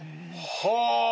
はあ！